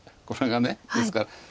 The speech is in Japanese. これがですから。